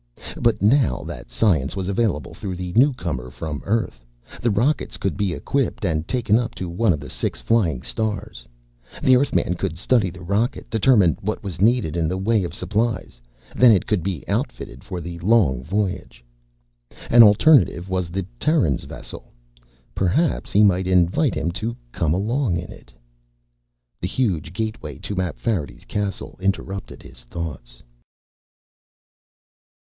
But now that science was available through the newcomer from Earth, the rockets could be equipped and taken up to one of the Six Flying Stars. The Earthman could study the rocket, determine what was needed in the way of supplies, then it could be outfitted for the long voyage. An alternative was the Terran's vessel. Perhaps he might invite him to come along in it.... The huge gateway to Mapfarity's castle interrupted his thoughts.